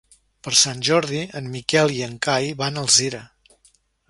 Per Sant Jordi en Miquel i en Cai van a Alzira.